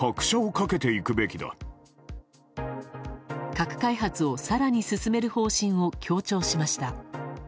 核開発を更に進める方針を強調しました。